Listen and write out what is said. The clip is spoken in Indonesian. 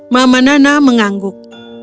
mama nana mengangguk